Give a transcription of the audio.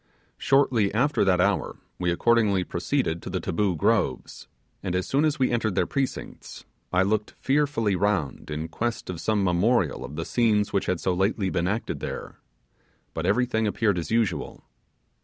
Shortly after that hour we accordingly proceeded to the Taboo Groves, and as soon as we entered their precincts, I looked fearfully round in, quest of some memorial of the scene which had so lately been acted there; but everything appeared as usual.